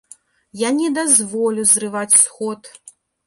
Я не дазволю зрываць сход!